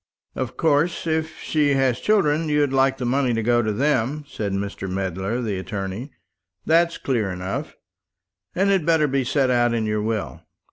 "Of course, if she has children, you'd like the money to go to them," said Mr. Medler, the attorney; "that's clear enough, and had better be set out in your will.